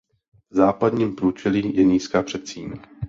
V západním průčelí je nízká předsíň.